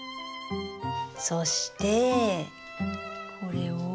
そしてこれを。